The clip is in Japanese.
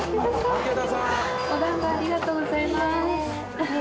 「お団子ありがとうございまーす」